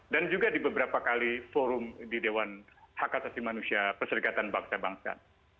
dan juga di beberapa kali forum di dewan hak asasi manusia persedekatan bangsa bangsa